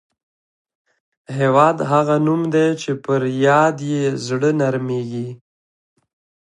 هېواد هغه نوم دی چې پر یاد یې زړه نرميږي.